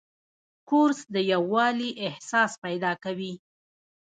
کورس د یووالي احساس پیدا کوي.